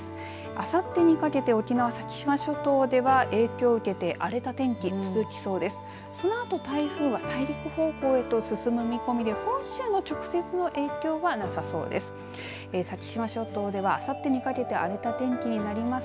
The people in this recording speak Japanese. あさってにかけて沖縄先島諸島では影響を受けて荒れた天気続きそうです。